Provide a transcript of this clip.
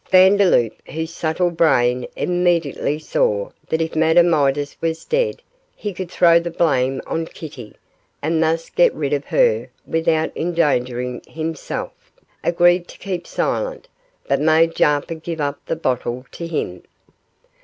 Vandeloup, whose subtle brain immediately saw that if Madame Midas was dead he could throw the blame on Kitty and thus get rid of her without endangering himself, agreed to keep silent, but made Jarper give up the bottle to him.